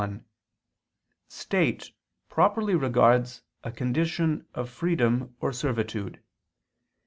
1), state properly regards a condition of freedom or servitude.